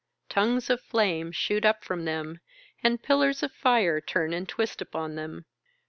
Tongues of flame shoot up from them, and piUars of fire turn and twist upon them.